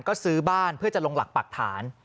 ก็ซื้อบ้านเพื่อจะลงหลักปรักฐาน